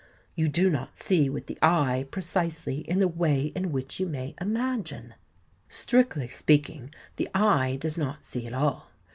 You do not see with the eye precisely in the way in which you may imagine. Strictly speaking, the eye does not see at all.